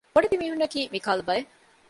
ބޮޑެތި މީހުންނަކީ މިކަހަލަ ބައެއް